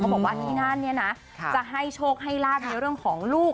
เขาบอกว่าที่นั่นจะให้โชคให้ราดในเรื่องของลูก